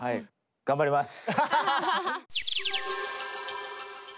頑張ります！